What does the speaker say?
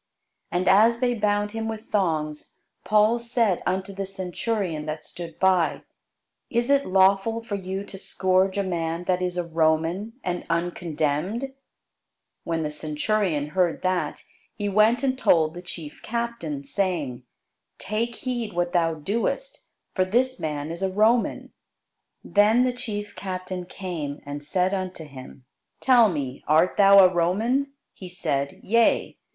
And as they bound him with thongs, Paul said unto the centurion that stood by, Is it lawful for you to scourge a man that is a Roman, and uncondemned? When the centurion heard that, he went and told the chief captain, saying, Take heed what thou doest: for this man is a Roman. Then the chief captain came, and said unto him, Tell me, art thou a Roman? He said, Yea.